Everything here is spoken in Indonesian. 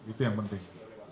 itu yang penting